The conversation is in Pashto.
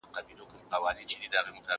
پوښتنه وکړه!.